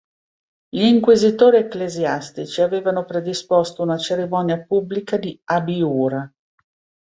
Gli inquisitori ecclesiastici avevano predisposto una cerimonia pubblica di abiura.